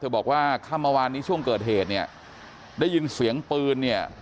บอกว่าค่ำเมื่อวานนี้ช่วงเกิดเหตุเนี่ยได้ยินเสียงปืนเนี่ย